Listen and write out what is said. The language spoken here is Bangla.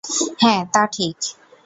হ্যাঁঁ, তা ঠিক।